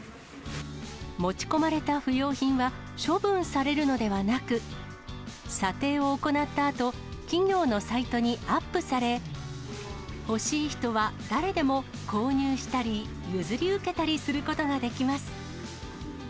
持ち込まれた不用品は処分されるのではなく、査定を行ったあと、企業のサイトにアップされ、欲しい人は誰でも購入したり、譲り受けたりすることができます。